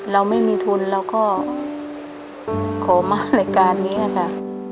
เราไม่มีทุนเราก็ขอมารายการนี้ค่ะ